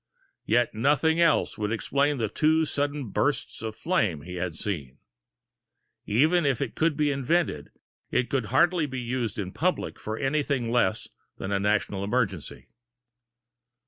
Yet nothing else would explain the two sudden bursts of flame he had seen. Even if it could be invented, it would hardly be used in public for anything less than a National Emergency.